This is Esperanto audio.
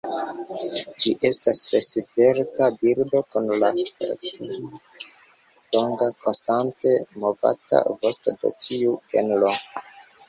Ĝi estas svelta birdo, kun la karaktera longa, konstante movata vosto do tiu genro.